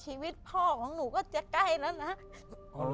ชีวิตพ่อของหนูก็จะใกล้แล้วนะ